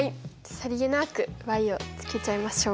さりげなくをつけちゃいましょう。